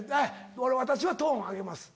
私はトーンを上げます。